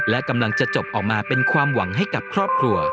และกำลังจะจบออกมาเป็นความหวังให้กับครอบครัว